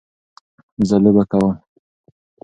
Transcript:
زه لوبه کوم.